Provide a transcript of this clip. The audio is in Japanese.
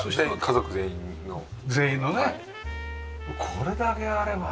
これだけあればね